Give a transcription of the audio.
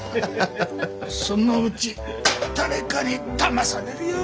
そのうち誰かにだまされるよ。